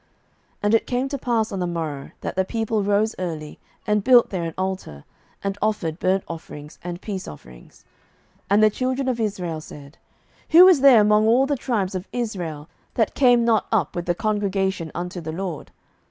07:021:004 And it came to pass on the morrow, that the people rose early, and built there an altar, and offered burnt offerings and peace offerings. 07:021:005 And the children of Israel said, Who is there among all the tribes of Israel that came not up with the congregation unto the LORD?